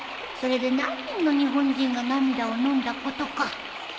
それで何人の日本人が涙をのんだことか。